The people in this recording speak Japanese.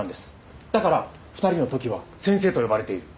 だから２人の時は「先生」と呼ばれている。